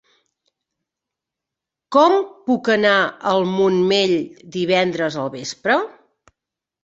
Com puc anar al Montmell divendres al vespre?